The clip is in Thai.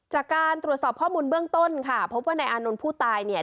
จากการตรวจสอบข้อมูลเบื้องต้นค่ะพบว่านายอานนท์ผู้ตายเนี่ย